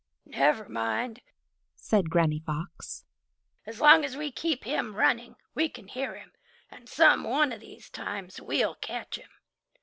"Never mind," said Granny Fox, "as long as we keep him running, we can hear him, and some one of these times we'll catch him.